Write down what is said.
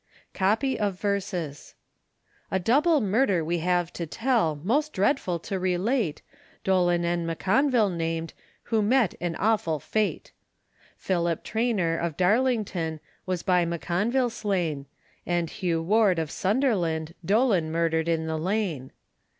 COPY OF VERSES. A double murder we have to tell, Most dreadful to relate, Dolan and M'Conville named, Who met an awful fate. Philip Trainer, of Darlington, Was by M'Conville slain; And Hugh Ward, of Sunderland, Dolan murdered in the lane.